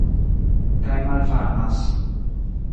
Kaj malvarmas.